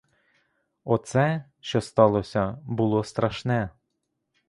Оце, що сталося, було страшне.